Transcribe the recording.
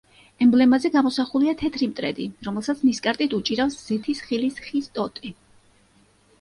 ემბლემაზე გამოსახულია თეთრი მტრედი, რომელსაც ნისკარტით უჭირავს ზეთის ხილის ხის ტოტი.